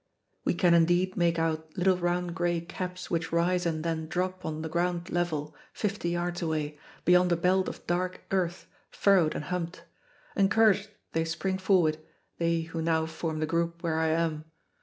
We can indeed make out little round gray caps which rise and then drop on the ground level, fifty yards away, beyond a belt of dark earth, furrowed and humped. Encouraged they spring forward, they who now form the group where I am.